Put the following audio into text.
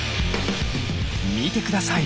見てください。